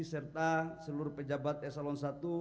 serta seluruh pejabat esalon satu